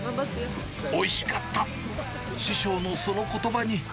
おいしかった、師匠のそのことばに。